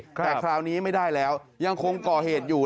แต่คราวนี้ไม่ได้แล้วยังคงก่อเหตุอยู่